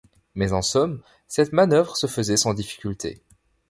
Mais, en somme, cette manœuvre se faisait sans difficulté.